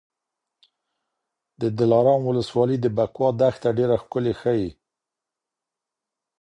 د دلارام ولسوالي د بکواه دښته ډېره ښکلې ښیي.